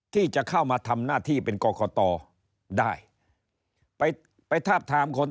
ที่จะเข้ามาทำหน้าที่เป็นกรกตได้ไปไปทาบทามคน